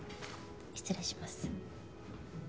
失礼します。